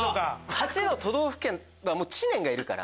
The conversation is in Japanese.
８の「都道府県」は知念がいるから。